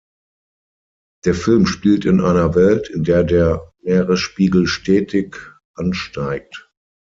Der Film spielt in einer Welt, in der der Meeresspiegel stetig ansteigt.